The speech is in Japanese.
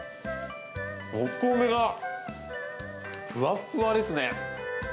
お米がふわっふわですね。